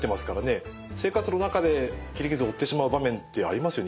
生活の中で切り傷を負ってしまう場面ってありますよね。